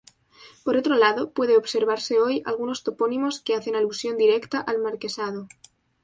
Por otro lado, puede observarse hoy algunos topónimos que hacen alusión directa al marquesado.